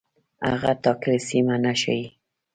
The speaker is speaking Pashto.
هغه ټاکلې سیمه نه ښيي.